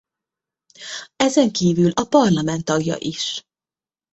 Ezenkívül a parlament tagja is.